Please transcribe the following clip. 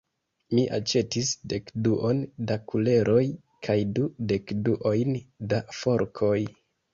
Mi aĉetis dekduon da kuleroj kaj du dekduojn da forkoj.